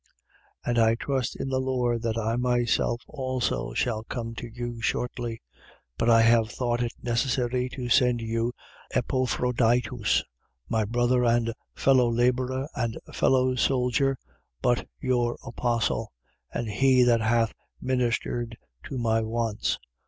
2:24. And I trust in the Lord that I myself also shall come to you shortly. 2:25. But I have thought it necessary to send to you Epaphroditus, my brother and fellow labourer and fellow soldier, but your apostle: and he that hath ministered to my wants.